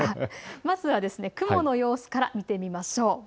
まずは雲の様子から見てみましょう。